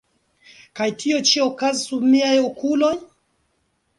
Kaj tio ĉi okazis sub miaj okuloj?